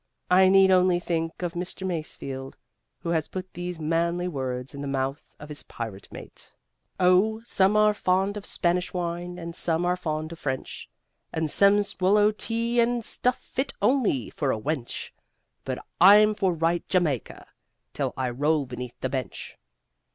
I need only think of Mr. Masefield, who has put these manly words in the mouth of his pirate mate: Oh some are fond of Spanish wine, and some are fond of French, And some'll swallow tea and stuff fit only for a wench, But I'm for right Jamaica till I roll beneath the bench!